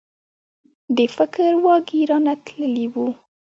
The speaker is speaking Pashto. د فکر واګي رانه تللي وو.